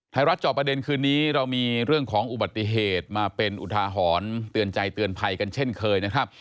จอบประเด็นคืนนี้เรามีเรื่องของอุบัติเหตุมาเป็นอุทาหรณ์เตือนใจเตือนภัยกันเช่นเคยนะครับ